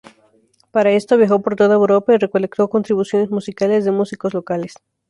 Para esto, viajó por toda Europa y recolectó contribuciones musicales de músicos locales.